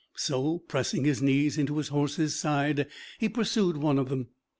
So pressing his knees into his horse's side, he pursued one of them.